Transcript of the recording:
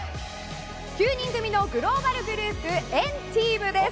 ９人組のグローバルグループ＆ＴＥＡＭです。